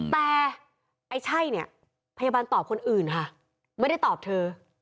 แต่ไอ้ใช่เนี่ยพยาบาลตอบคนอื่นค่ะไม่ได้ตอบเธอ